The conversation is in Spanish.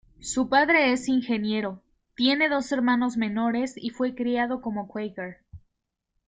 Su padre es ingeniero, tiene dos hermanos menores y fue criado como Quaker.